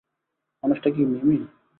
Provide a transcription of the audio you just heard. মানুষটা কি মিমি?